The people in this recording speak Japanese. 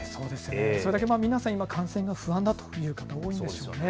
それだけ皆さん、今、感染が不安だという方、多いんでしょうね。